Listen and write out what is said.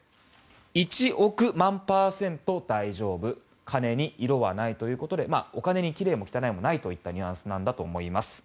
１億万パーセント大丈夫金に色はないということでお金に奇麗も汚いもないといったニュアンスなんだと思います。